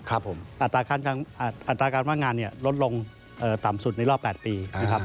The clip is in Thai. อัตราการว่างงานเนี่ยลดลงต่ำสุดในรอบ๘ปีนะครับ